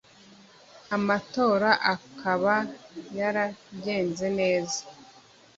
amatora akaba yaragenze neza